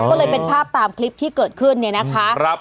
ก็เลยเป็นภาพตามคลิปที่เกิดขึ้นเนี่ยนะคะ